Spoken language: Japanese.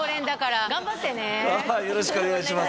あっはいよろしくお願いします